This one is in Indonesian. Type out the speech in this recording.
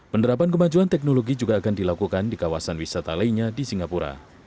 penerapan kemajuan teknologi juga akan dilakukan di kawasan wisata lainnya di singapura